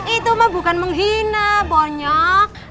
itu mah bukan menghina banyak